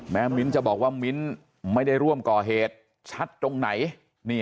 มิ้นท์จะบอกว่ามิ้นไม่ได้ร่วมก่อเหตุชัดตรงไหน